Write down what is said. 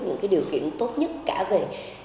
những cái điều kiện tốt nhất cả về